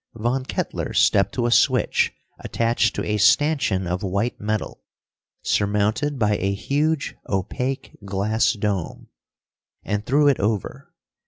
Von Kettler stepped to a switch attached to a stanchion of white metal, surmounted by a huge opaque glass dome, and threw it over.